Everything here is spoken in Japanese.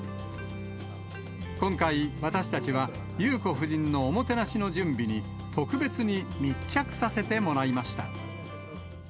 今回、私たちは、裕子夫人のおもてなしの準備に特別に密着させてもらいました。